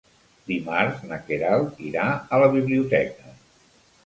Dimarts na Queralt irà a la biblioteca.